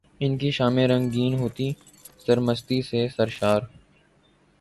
انکی شامیں رنگین ہوتیں، سرمستی سے سرشار۔